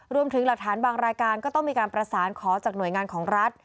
รวมถึงหลักฐานบางรายการก็ต้องมีการประสานขอจากหน่วยงานของรัฐ